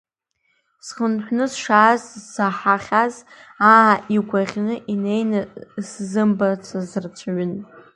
Схынҳәны сшааз заҳаьаз, аа игәаӷьны инеины сзымбацыз рацәаҩын.